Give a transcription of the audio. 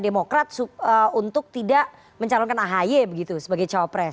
demokrat untuk tidak mencalonkan ahy begitu sebagai cowok pres